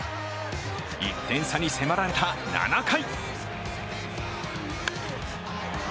１点差に迫られた７回。